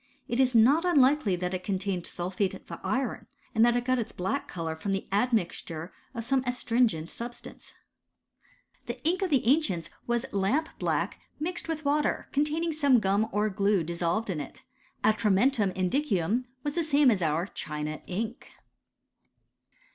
It is not unlikely that it contained sulphate of iron, and that it got Its black colour from the admixture of some astringent substance. •Bucolir.L45, 80 BIStO&T OF CHEMISTHT. The ink of the ancients was lamp black mixed widi water, containing gum or glue dissolved in it. Atrm^ mentum indicum was the same as our China ink.